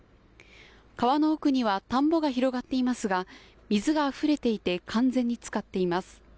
川の奥には田んぼが広がっていますが水があふれていて完全につかっています。